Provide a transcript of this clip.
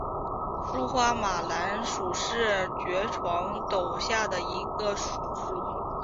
疏花马蓝属是爵床科下的一个属。